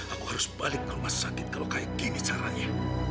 aku harus balik ke rumah sakit kalau kayak gini caranya